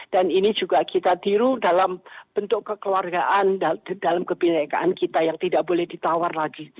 dan ini juga kita tiru dalam bentuk kekeluargaan dalam kebinaikan kita yang tidak boleh ditawar lagi